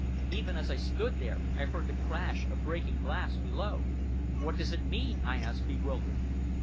Even as I stood there, I heard the crash of breaking glass below! "What does it mean?" I asked, bewildered.